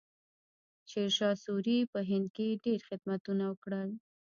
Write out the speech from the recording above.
شیرشاه سوري په هند کې ډېر خدمتونه وکړل.